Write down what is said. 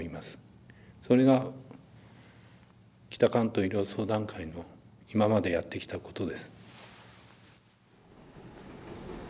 それが北関東医療相談会の今までやってきたことです。